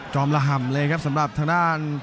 ระห่ำเลยครับสำหรับทางด้าน